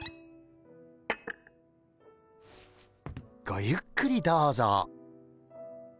ごゆっくりどうぞ。